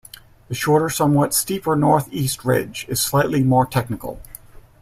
The shorter, somewhat steeper north east ridge is slightly more technical.